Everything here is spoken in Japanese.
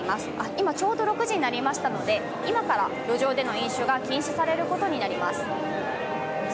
今、ちょうど６時になりましたので、今から路上での飲酒が禁止されることになります。